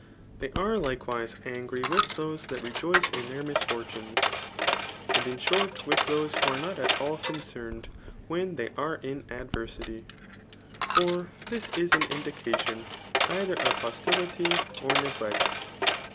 They are likewise angry with those diat rejoice in their misfortunes, and in short with those who are not at all concerned when they are in adversity ; for this is an indication either of hostility or neglect.